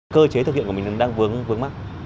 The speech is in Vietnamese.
cơ chế thực hiện của mình đang vướng mắt